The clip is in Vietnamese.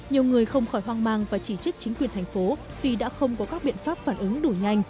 nhiều người không khỏi hoang mang và chỉ trích chính quyền thành phố vì đã không có các biện pháp phản ứng đủ nhanh